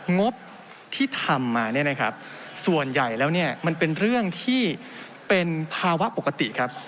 งบที่ทำมาเนี่ยนะครับส่วนใหญ่แล้วเนี่ยมันเป็นเรื่องที่เป็นภาวะปกติครับ